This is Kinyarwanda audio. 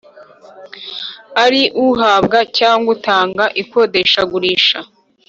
ari uhabwa cyangwa utanga ikodeshagurisha